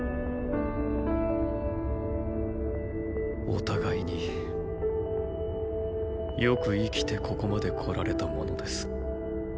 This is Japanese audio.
お互いによく生きてここまでこられたものです。